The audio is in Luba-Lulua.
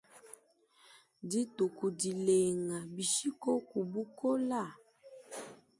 Dituku dilenga, bishi koku bukola ?